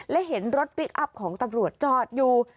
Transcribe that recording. และเห็นรถพลิกอัพของตำรวจจอดอยู่